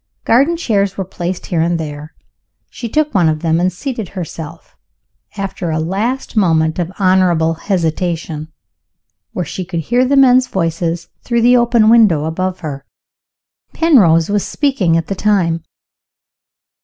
Garden chairs were placed here and there. She took one of them, and seated herself after a last moment of honorable hesitation where she could hear the men's voices through the open window above her. Penrose was speaking at the time.